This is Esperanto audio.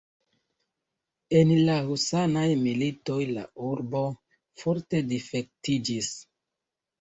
En la husanaj militoj la urbo forte difektiĝis.